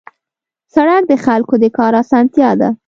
سړک د خلکو د کار اسانتیا ده.